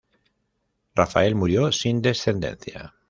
Rafael murió sin descendencia.